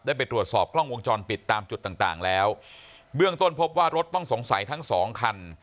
ไปตรวจสอบกล้องวงจรปิดตามจุดต่างต่างแล้วเบื้องต้นพบว่ารถต้องสงสัยทั้งสองคัน